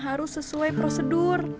harus sesuai prosedur